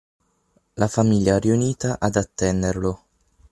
La famiglia riunita ad attenderlo.